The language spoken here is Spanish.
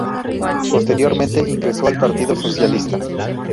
Posteriormente ingresó al Partido Socialista.